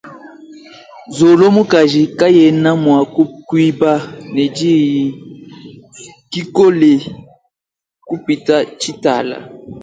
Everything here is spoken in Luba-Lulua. Nzolo mukaji kayena mua kuimba ne diyi kikole kupita tshitala.